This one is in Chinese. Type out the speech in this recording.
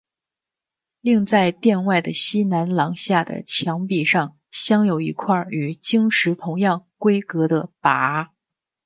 另在殿外的西南廊下的墙壁上镶有一块与经石同样规格的跋。